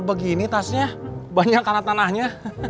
begini tasnya banyak anak tanahnya